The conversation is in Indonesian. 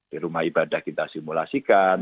di rumah ibadah kita simulasikan